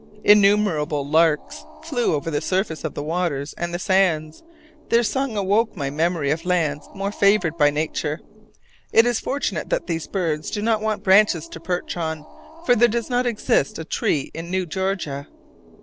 Innumerable larks flew over the surface of the waters and the sands; their song awoke my memory of lands more favoured by nature. It is fortunate that these birds do not want branches to perch on; for there does not exist a tree in New Georgia.